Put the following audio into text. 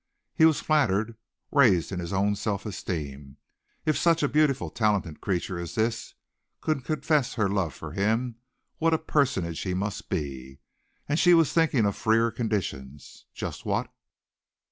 He was flattered, raised in his own self esteem. If such a beautiful, talented creature as this could confess her love for him, what a personage he must be. And she was thinking of freer conditions just what?